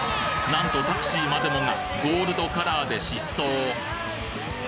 なんとタクシーまでもがゴールドカラーで疾走！